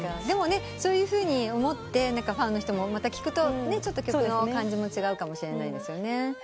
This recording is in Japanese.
でもそういうふうに思ってファンの人もまた聴くと曲の感じも違うかもしれないですよね。